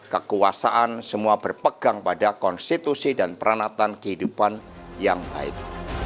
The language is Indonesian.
kekuasaan semua berpegang pada konstitusi dan peranatan kehidupan yang baik